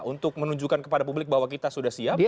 untuk menunjukkan kepada publik bahwa kita sudah siap